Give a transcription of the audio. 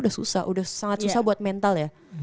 udah susah udah sangat susah buat mental ya